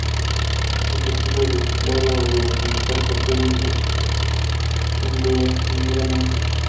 Es imposible reciclar o reutilizar papel indefinidamente.